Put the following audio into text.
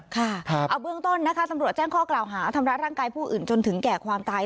ค่ะเอาเบื้องต้นนะคะตำรวจแจ้งข้อกล่าวหาทำร้ายร่างกายผู้อื่นจนถึงแก่ความตาย